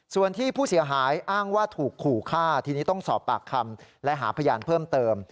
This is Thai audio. ส่วนที่ผู้เสียหายอ้างว่าถูกขู่ฆ่าทีนี้ต้องสอบปากคำและหาพยานเพิ่มเติม